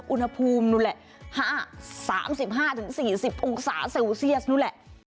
อุณหภูมินู้นแหละสามสิบห้าถึงสี่สิบองศาเซลเซียสนู้นแหละ